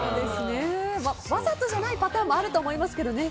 わざとじゃないパターンもあると思いますけどね。